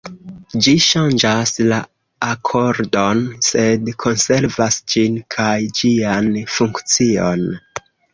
Ĝi ŝanĝas la akordon, sed konservas ĝin kaj ĝian funkcion.